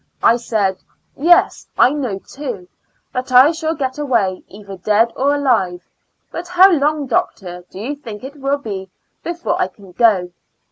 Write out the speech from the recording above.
I said, " Yes, I know, too, that I shall getaway, either dead or alive ; but how long, doctor, do you think it will be before I can go